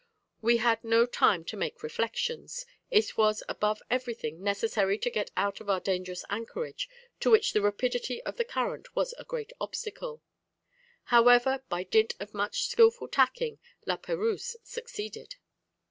We had no time to make reflections; it was above everything necessary to get out of our dangerous anchorage, to which the rapidity of the current was a great obstacle." However, by dint of much skilful tacking, La Perouse succeeded.